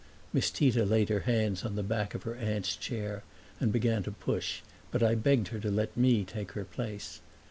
Miss Tita laid her hands on the back of her aunt's chair and began to push, but I begged her to let me take her place.